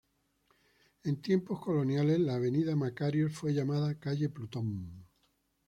En tiempos coloniales la Avenida Makarios fue llamada calle Plutón.